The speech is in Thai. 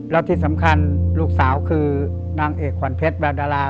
แล้วที่สำคัญลูกสาวคือนางเอกขวัญเพชรแววดารา